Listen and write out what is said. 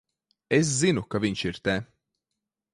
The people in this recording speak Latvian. Es zinu, ka viņš ir te.